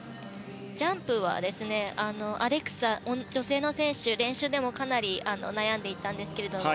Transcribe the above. ジャンプはアレクサ、女性の選手練習でも、かなり悩んでいたんですけれども。